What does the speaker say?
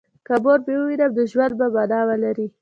که مور مې ووینم نو ژوند به مانا ولري